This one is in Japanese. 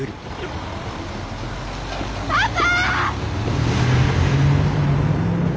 パパ！